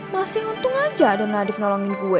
masih untung aja dan nadif nolongin gue